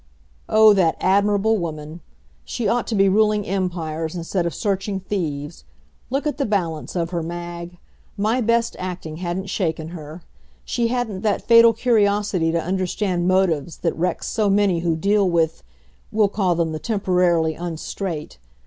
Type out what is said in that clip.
Oh, that admirable woman! She ought to be ruling empires instead of searching thieves. Look at the balance of her, Mag. My best acting hadn't shaken her. She hadn't that fatal curiosity to understand motives that wrecks so many who deal with we'll call them the temporarily un straight.